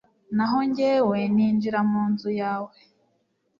Naho jyewe ninjira mu nzu yawe